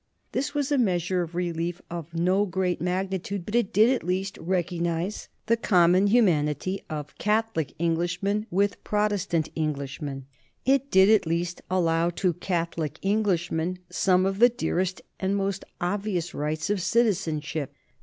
This was a measure of relief of no great magnitude, but it did at least recognize the common humanity of Catholic Englishmen with Protestant Englishmen; it did at least allow to Catholic Englishmen some of the dearest and most obvious rights of citizenship.